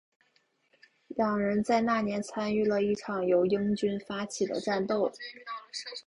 两人在那年参与了一场由英军发起的战斗。